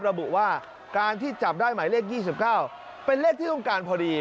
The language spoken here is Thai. ระบุว่าการที่จับได้หมายเลข๒๙เป็นเลขที่ต้องการพอดี